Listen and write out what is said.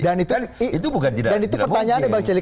dan itu pertanyaannya bang celik